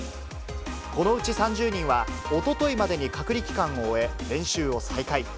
このうち３０人は、おとといまでに隔離期間を終え、練習を再開。